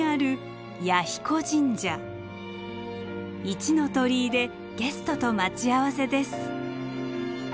一の鳥居でゲストと待ち合わせです。